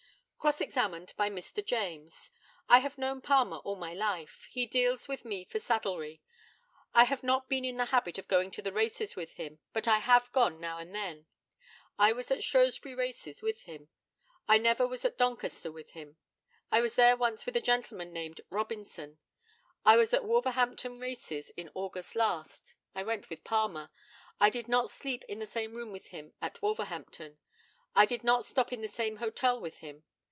Cross examined by Mr. JAMES: I have known Palmer all my life. He deals with me for saddlery. I have not been in the habit of going to the races with him, but I have gone now and then. I was at Shrewsbury races with him. I never was at Doncaster with him. I was there once with a gentleman named Robinson. I was at Wolverhampton races in August last. I went with Palmer. I did not sleep in the same room with him at Wolverhampton. I did not stop at the same hotel with him.